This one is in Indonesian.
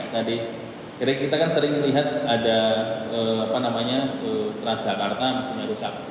jadi kita kan sering melihat ada transjakarta mesinnya rusak